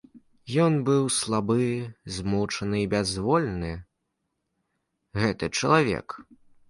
Ён быў слабы, змучаны і бязвольны, гэты чалавек.